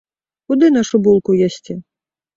Куды нашу булку ясце?